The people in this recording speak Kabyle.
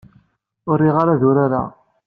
Ur riɣ ara ad urareɣ.